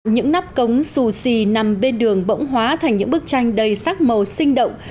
những nắp cống sù xì nằm bên đường bỗng hóa thành những bức tranh đầy sắc màu sinh động